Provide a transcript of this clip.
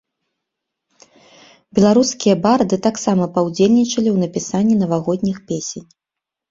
Беларускія барды таксама паўдзельнічалі ў напісанні навагодніх песень!